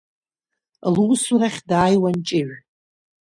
Лусурахь дааиуан Ҷыжә.